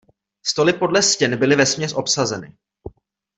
Stoly podle stěn byly vesměs obsazeny.